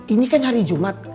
ini kan hari jumat